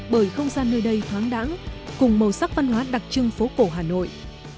bởi không gian nơi đây thoáng đẳng cùng màu sắc văn hóa đặc trưng phố cổ hà nội